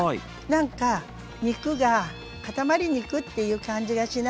なんか肉が塊肉っていう感じがしない？